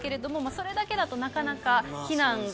それだけだとなかなか。